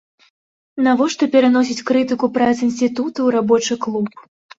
Навошта пераносіць крытыку прац інстытута ў рабочы клуб?